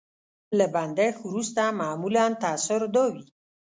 له بندښت وروسته معمولا تاثر دا وي.